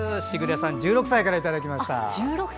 時雨さん、１６歳からいただきました。